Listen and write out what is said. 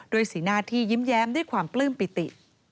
สีหน้าที่ยิ้มแย้มด้วยความปลื้มปิติ